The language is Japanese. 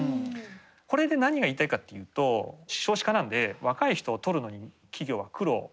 これで何が言いたいかっていうと少子化なので若い人を採るのに企業は苦労してる。